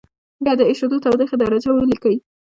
بیا د اېشېدو تودوخې درجه ولیکئ.